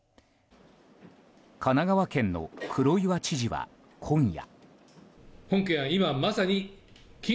神奈川県の黒岩知事は今夜。